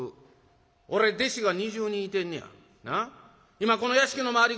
今この屋敷の周り